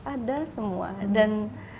ada semua dan